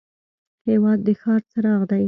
هېواد د ښار څراغ دی.